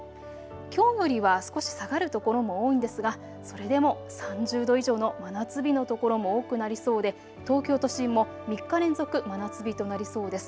きょうよりは少し下がるところも多いんですがそれでも３０度以上の真夏日の所も多くなりそうで東京都心も３日連続、真夏日となりそうです。